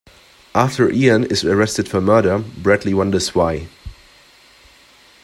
After Ian is arrested for murder, Bradley wonders why.